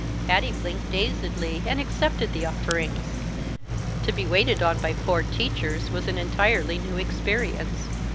Patty blinked dazedly and accepted the offerings. To be waited on by four teachers was an entirely new experience.